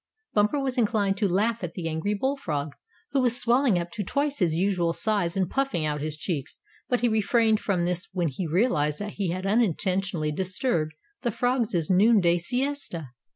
Bumper was inclined to laugh at the angry Bull Frog, who was swelling up to twice his usual size and puffing out his cheeks; but he refrained from this when he realized that he had unintentionally disturbed the frog's noonday siesta.